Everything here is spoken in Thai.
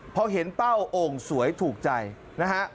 พอเห็นเป้าโอ่งสวยถูกใจนะฮะ